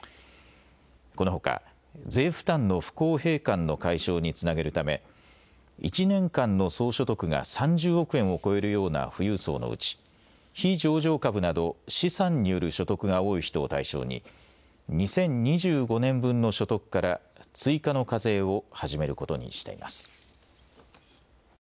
このほか税負担の不公平感の解消につなげるため１年間の総所得が３０億円を超えるような富裕層のうち非上場株など資産による所得が多い人を対象に２０２５年分の所得から追加の課税を始めることにしています。